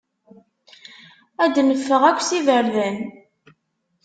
Ad d-neffeɣ akk s iberdan.